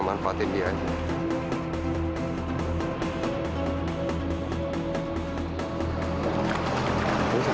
yang manfaatin biasa